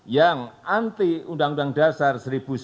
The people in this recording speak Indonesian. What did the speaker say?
yang anti undang undang dasar seribu sembilan ratus empat puluh